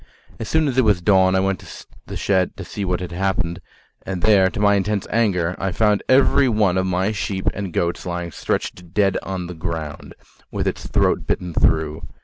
As soon as it was dawn I went to the shed to see what had happened, and there, to my intense anger, I found every one of my sheep and goats lying stretched dead, on the ground with its throat bitten through.